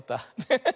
ハハハ。